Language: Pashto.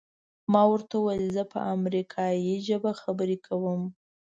ما ورته وویل زه په امریکایي ژبه خبرې کوم.